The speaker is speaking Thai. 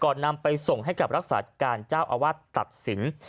นำไปส่งให้กับรักษาการเจ้าอาวาสตัดสิน